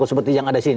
seperti yang ada sini